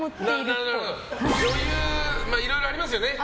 ○○をいろいろありますよね。